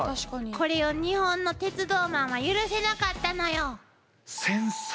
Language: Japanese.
これを日本の鉄道マンは許せなかったのよ。